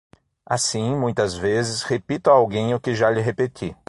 Assim, muitas vezes, repito a alguém o que já lhe repeti